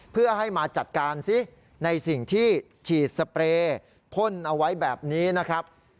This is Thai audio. เพื่อให้มาจัดการซิในสิ่งที่ฉีดสเปรย์พ่นเอาไว้แบบนี้นะครับ